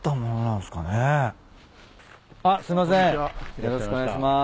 よろしくお願いします。